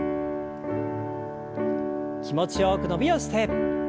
気持ちよく伸びをして。